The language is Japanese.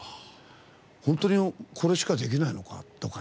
本当に、これしかできないのか？